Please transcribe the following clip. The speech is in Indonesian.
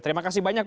terima kasih banyak